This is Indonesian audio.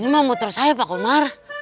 ini mah motor saya pak komar